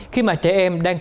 khi mà trẻ em đang khởi động